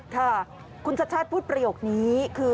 ค่ะคุณชัดชาติพูดประโยคนี้คือ